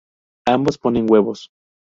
Ambos ponen huevos.